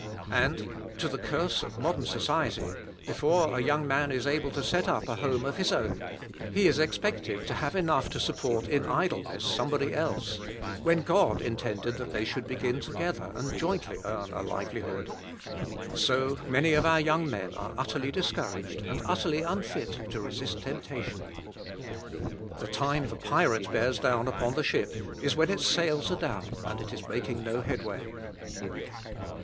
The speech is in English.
And, to the curse of modern society, before a young man is able to set up a home of his own, he is expected to have enough to support in idleness somebody else; when God intended that they should begin together, and jointly earn a livelihood. So, many of our young men are utterly discouraged, and utterly unfit to resist temptation. The time the pirate bears down upon the ship is when its sails are down and it is making no headway.